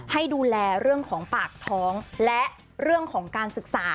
ให้ดูแลเรื่องของปากท้องและเรื่องของการศึกษา